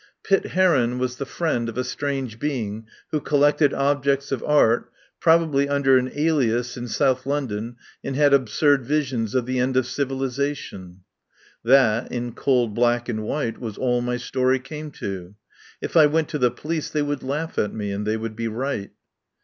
Pitt Heron was the friend of a strange being who collected objects of art, probably passed under an alias in South London, and had absurd visions of the end of civilisation. That, in cold black and white, was all my story came to. If I went to the police they would laugh at me, and they would be right.